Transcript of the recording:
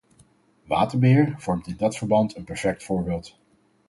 Waterbeheer vormt in dat verband een perfect voorbeeld.